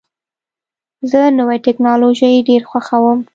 زه نوې ټکنالوژۍ ډېر خوښوم.